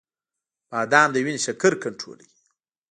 • بادام د وینې شکر کنټرولوي.